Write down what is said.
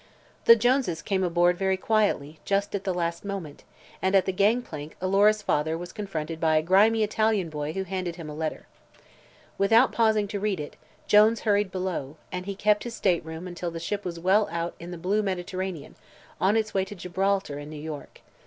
The Joneses came aboard very quietly just at the last moment and at the gang plank Alora's father was confronted by a grimy Italian boy who handed him a letter. Without pausing to read it, Jones hurried below, and he kept his stateroom until the ship was well out in the blue Mediterranean, on its way to Gibraltar and New York.